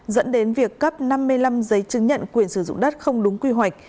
dẫn đến việc cấp năm mươi năm giấy chứng nhận quyền sử dụng đất không đúng quy hoạch